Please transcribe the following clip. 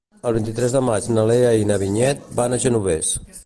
El vint-i-tres de maig na Lea i na Vinyet van al Genovés.